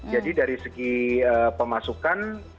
jadi dari segi pemasukan